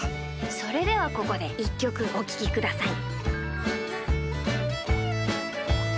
それではここで１きょくおききください。